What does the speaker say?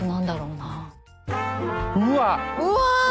うわ。